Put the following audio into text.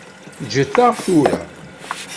Ǧǧet-aɣ tura.